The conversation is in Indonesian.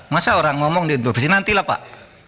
masa orang ngomong diindopsi nanti lah pak